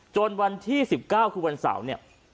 วันที่๑๙คือวันเสาร์เนี่ย